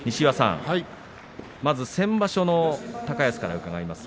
まず先場所の高安から伺います。